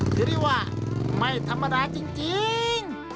หรือว่าไม่ธรรมดาจริง